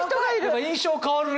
印象変わるね。